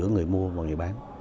người mua và người bán